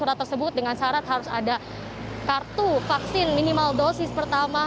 surat tersebut dengan syarat harus ada kartu vaksin minimal dosis pertama